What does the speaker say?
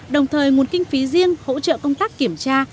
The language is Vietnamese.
đồng thời nguồn kinh phí riêng hỗ trợ công tác kiểm tra